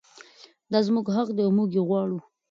دا زموږ حق دی او موږ یې غواړو.